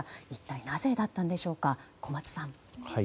一体なぜだったんでしょうか小松さん。